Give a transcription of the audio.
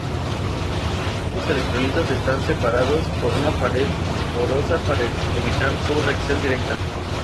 Ambos electrolitos están separados por una pared porosa para evitar su reacción directa.